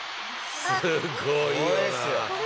すごいよな。